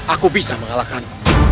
aku bisa mengalahkan